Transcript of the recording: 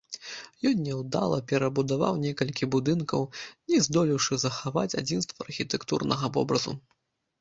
Ён няўдала перабудаваў некалькі будынкаў, не здолеўшы захаваць адзінства архітэктурнага вобразу.